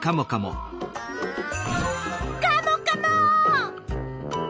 カモカモッ！